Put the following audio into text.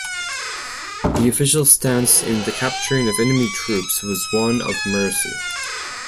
The official stance in the capturing of enemy troops was one of mercy.